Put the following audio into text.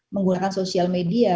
menggunakan social media